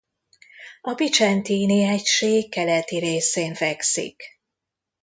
A Picentini-hegység keleti részén fekszik.